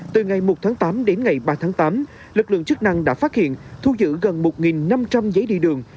từ ngày một tháng tám đến ngày ba tháng tám lực lượng chức năng đã phát hiện thu giữ gần một năm trăm linh giấy đi đường